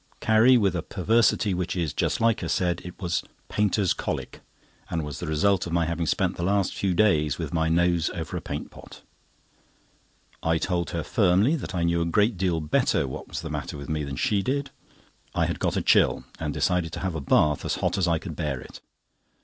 Carrie, with a perversity which is just like her, said it was "painter's colic," and was the result of my having spent the last few days with my nose over a paint pot. I told her firmly that I knew a great deal better what was the matter with me than she did. I had got a chill, and decided to have a bath as hot as I could bear it.